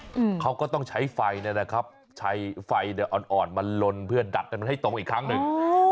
อืมเขาก็ต้องใช้ไฟเนี้ยนะครับใช้ไฟเนี้ยอ่อนอ่อนมาลนเพื่อดัดกันให้ตรงอีกครั้งหนึ่งอืม